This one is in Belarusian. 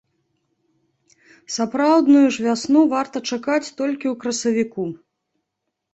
Сапраўдную ж вясну варта чакаць толькі ў красавіку.